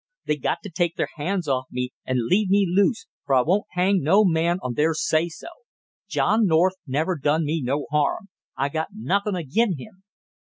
They got to take their hands off me and leave me loose, for I won't hang no man on their say so! John North never done me no harm, I got nothing agin him!"